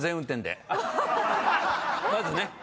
まずね。